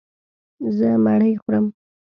زه مړۍ خورم.